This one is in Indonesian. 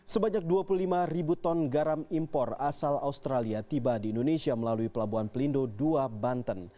sebanyak dua puluh lima ribu ton garam impor asal australia tiba di indonesia melalui pelabuhan pelindo dua banten